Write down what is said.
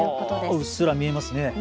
うっすら見えますね。